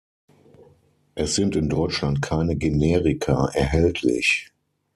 Es sind in Deutschland keine Generika erhältlich.